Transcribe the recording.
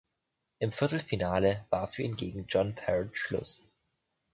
Im Viertelfinale war für ihn gegen John Parrott Schluss.